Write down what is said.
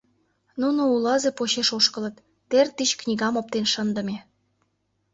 Нуно улазе почеш ошкылыт, тер тич книгам оптен шындыме.